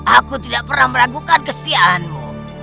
aku tidak pernah meragukan kesiaanmu